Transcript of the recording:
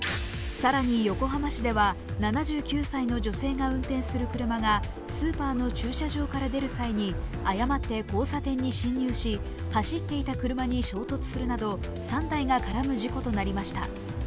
更に横浜市では７９歳の女性が運転する車がスーパーの駐車場から出る際に誤って交差点に進入し走っていた車に衝突するなど３台が絡む事故となりました。